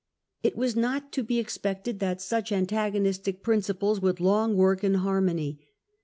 It was not to be expected that such antagonistic principles would long work in harmony.